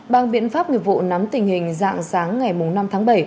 bằng biện pháp nghiệp vụ nắm tình hình dạng sáng ngày năm tháng bảy